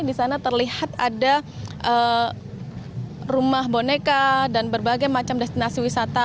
di sana terlihat ada rumah boneka dan berbagai macam destinasi wisata